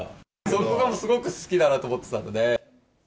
そこがすごく好きだなと思ってたので。